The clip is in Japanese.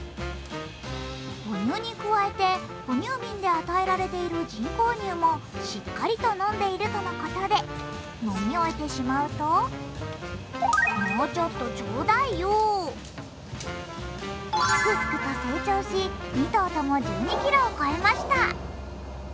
母乳に加えて哺乳瓶で与えられている人工乳もしっかりと飲んでいるとのことで飲み終えてしまうとすくすくと成長し、２頭とも１２ｋｇを超えました。